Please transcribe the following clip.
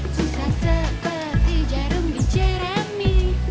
susah sepeti jarum diceremi